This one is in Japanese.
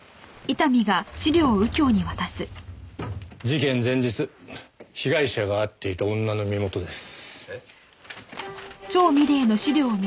事件前日被害者が会っていた女の身元です。